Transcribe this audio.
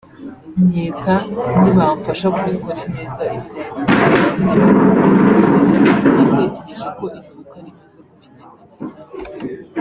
nkeka nibamfasha kubikora neza ibirayi twabibyaza inyungu ikomeye […] natekereje ko iduka rimaze kumenyekana cyane